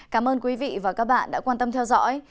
cảm ơn quý vị và các bạn đã quan tâm theo dõi